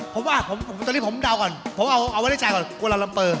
ผมว่าตอนนี้ผมเดาก่อนผมเอาไว้ในใจก่อนกลัวเราลัมเปอร์